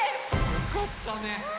よかったね。